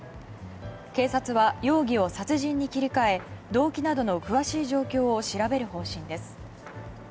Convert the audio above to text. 警察は容疑を殺人に切り替え動機などの詳しい状況を調べる方針です。